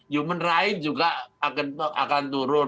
human rights juga akan turun